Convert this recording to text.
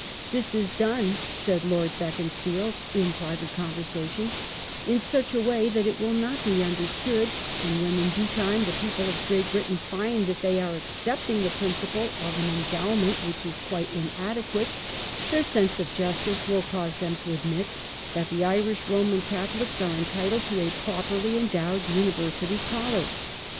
"This is done," said Lord Beaconsfield in private convei sation, " in such a way that it will not be understood, and when in due time the people of Great Britain find that they are accepting the principle of an endowment which is quite inadequate, their sense of justice will cause them to admit that the Irish Roman Catholics are entitled to a properly endowed University College.